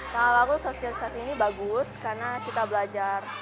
kalau aku sosialisasi ini bagus karena kita belajar